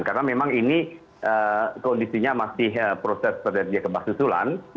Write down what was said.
karena memang ini kondisinya masih proses perhenti gempa susulan